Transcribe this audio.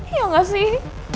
iya gak sih